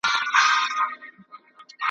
چي نه ترنګ وي نه مستي وي هغه ښار مي در بخښلی .